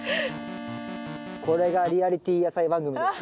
これがリアリティー野菜番組です。